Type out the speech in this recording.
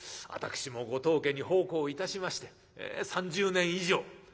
「私もご当家に奉公いたしまして３０年以上。